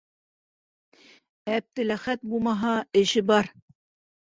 Әптеләхәт бумаһа, эше бар!